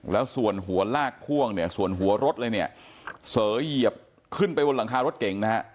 แล้วส่วนหัวลากพ่วงเนี่ยส่วนหัวรถเลยเนี่ยเสยเหยียบขึ้นไปบนหลังคารถเก่งนะฮะ